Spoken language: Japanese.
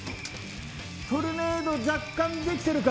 トルネード、若干出来てるか？